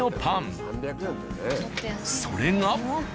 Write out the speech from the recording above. それが。